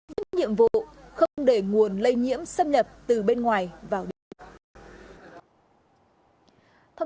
với nhiệm vụ không để nguồn lây nhiễm xâm nhập từ bên ngoài vào địa phương